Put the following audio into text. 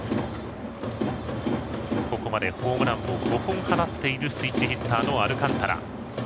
ここまでホームランを５本放っているスイッチヒッターのアルカンタラ。